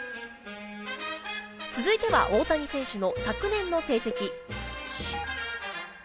続いては大谷選手の昨年の成績。